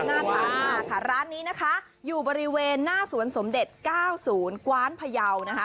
น่าทานมากค่ะร้านนี้นะคะอยู่บริเวณหน้าสวนสมเด็จ๙๐กว้านพยาวนะคะ